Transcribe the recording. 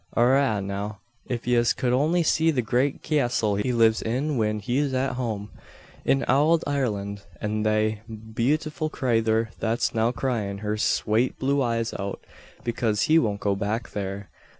Arrah, now; if yez cud only see the great big cyastle he lives in whin he's at home, in owld Ireland; an thy bewtiful crayther that's now cryin' her swate blue eyes out, bekase he won't go back thare.